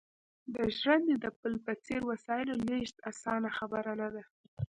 د ژرندې د پل په څېر وسایلو لېږد اسانه خبره نه ده